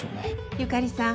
由香里さん